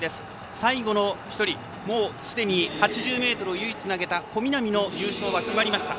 最後の１人もうすでに８０ｍを唯一投げた小南の優勝は決まりました。